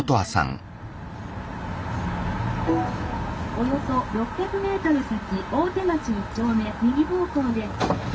「およそ６００ｍ先大手町１丁目右方向です」。